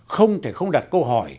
không thể không đặt câu hỏi